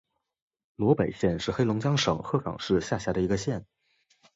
萝北县是黑龙江省鹤岗市下辖的一个县。